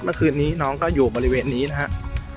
เมื่อคืนนี้น้องก็อยู่บริเวณนี้นะครับ